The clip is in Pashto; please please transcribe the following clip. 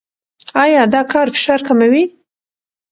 ایا دا کار فشار کموي؟